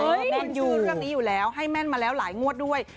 แม่นยูเรื่องนี้อยู่แล้วให้แม่นมาแล้วหลายงวดด้วย